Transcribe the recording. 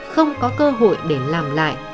không có cơ hội để làm lại